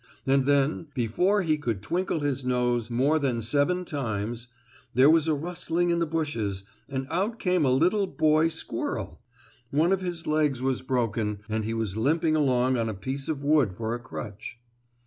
And then, before he could twinkle his nose more than seven times, there was a rustling in the bushes, and out came a little boy squirrel. One of his legs was broken, and he was limping along on a piece of wood for a crutch.